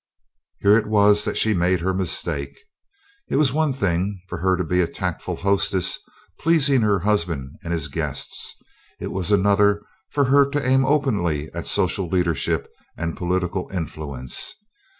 Here it was that she made her mistake. It was one thing for her to be a tactful hostess, pleasing her husband and his guests; it was another for her to aim openly at social leadership and political influence.